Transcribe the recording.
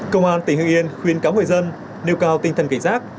công an tỉnh hương yên khuyên cáo người dân nêu cao tinh thần cảnh giác